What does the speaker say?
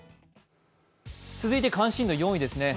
続いて関心度４位ですね。